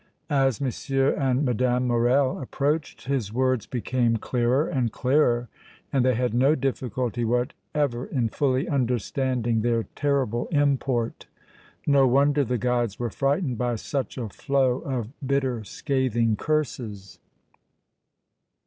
As M. and Mme. Morrel approached his words became clearer and clearer and they had no difficulty whatever in fully understanding their terrible import. No wonder the guides were frightened by such a flow of bitter scathing curses!